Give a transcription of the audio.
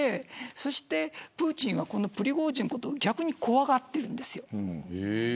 そしてプーチンはこのプリゴジンのことを逆に怖がってるんです。